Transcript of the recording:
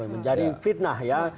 menjadi fitnah ya